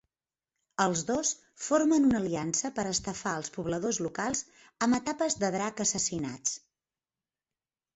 Els dos formen una aliança per estafar als pobladors locals, amb etapes de drac assassinats.